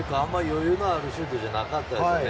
余裕のあるシュートじゃなかったですよね。